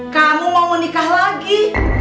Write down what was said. kamu mau menikah lagi